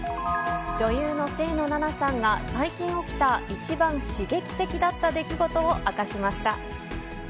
女優の清野菜名さんが、最近起きた一番刺激的だった出来事を明かしました。